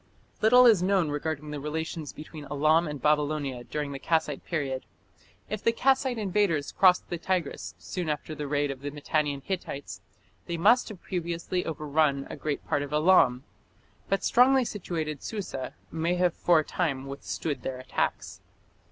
Little is known regarding the relations between Elam and Babylonia during the Kassite period. If the Kassite invaders crossed the Tigris soon after the raid of the Mitannian Hittites they must have previously overrun a great part of Elam, but strongly situated Susa may have for a time withstood their attacks.